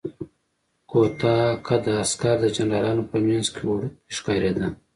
کوتاه قده عسکر د جنرالانو په منځ کې وړوکی ښکارېده.